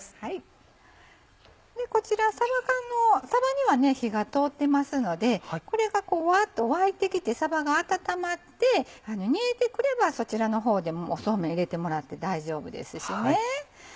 こちらさば缶のさばには火が通ってますのでこれがわっと沸いてきてさばが温まって煮えてくればそちらの方でもうそうめん入れてもらって大丈夫ですしね。